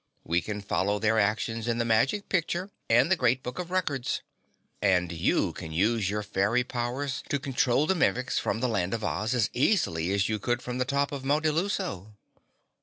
We can follow their actions in the Magic Picture and the Great Book of Records. And you can use your fairy powers to control the Mimics from the Land of Oz as easily as you could from the top of Mount Illuso."